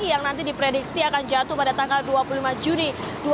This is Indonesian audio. yang nanti diprediksi akan jatuh pada tanggal dua puluh lima juni dua ribu dua puluh